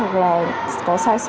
hoặc là có sai sót